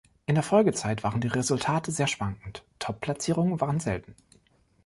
In der Folgezeit waren die Resultate sehr schwankend, Top-Platzierungen waren selten.